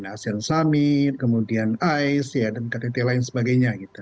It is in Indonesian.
nah asian summit kemudian ice ya dan ktt lain sebagainya gitu